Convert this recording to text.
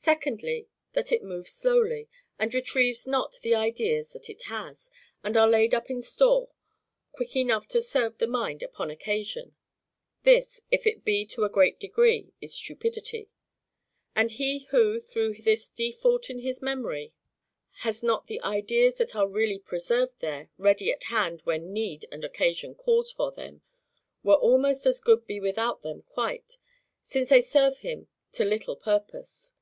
Secondly, That it moves slowly, and retrieves not the ideas that it has, and are laid up in store, quick enough to serve the mind upon occasion. This, if it be to a great degree, is stupidity; and he who, through this default in his memory, has not the ideas that are really preserved there, ready at hand when need and occasion calls for them, were almost as good be without them quite, since they serve him to little purpose.